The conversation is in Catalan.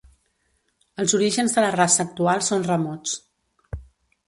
Els orígens de la raça actual són remots.